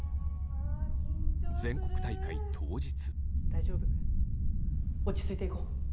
大丈夫落ち着いていこう。